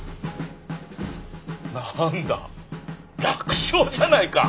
何だ楽勝じゃないか！